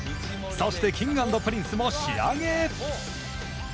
そしてＫｉｎｇ＆Ｐｒｉｎｃｅも仕上げへ。